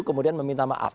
kemudian meminta maaf